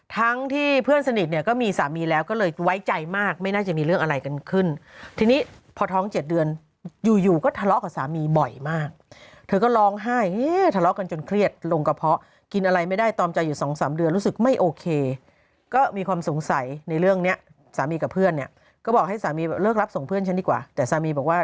ทั้งที่เพื่อนสนิทเนี่ยก็มีสามีแล้วก็เลยไว้ใจมากไม่น่าจะมีเรื่องอะไรกันขึ้นทีนี้พอท้องเจ็ดเดือนอยู่อยู่ก็ทะเลาะกับสามีบ่อยมากเธอก็ร้องไห้ทะเลาะกันจนเครียดลงกระเพาะกินอะไรไม่ได้ตอมใจอยู่สองสามเดือนรู้สึกไม่โอเคก็มีความสงสัยในเรื่องเนี้ยสามีกับเพื่อนเนี่ยก็บอกให้สามีเลิกรับส่งเพื่อนฉันดีกว่าแต่สามีบอกว่า